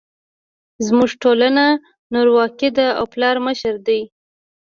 زموږ ټولنه نرواکې ده او پلار مشر دی